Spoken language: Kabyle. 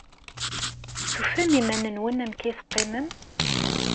Tufam iman-nwen amek ay teqqimem?